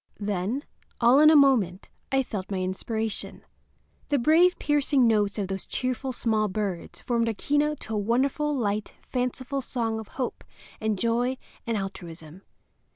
Then, all in a moment, I felt my inspiration. The brave, piercing notes of those cheerful small birds formed a keynote to a wonderful, light, fanciful song of hope and joy and altruism.